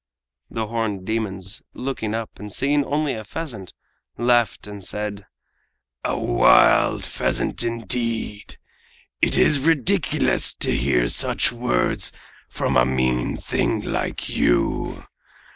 The horned demons looking up and only seeing a pheasant, laughed and said: "A wild pheasant, indeed! It is ridiculous to hear such words from a mean thing like you.